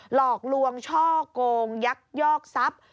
หลอกลวงช่อกงยักยอกทรัพย์